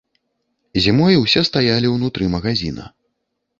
Зімой усе стаялі ўнутры магазіна.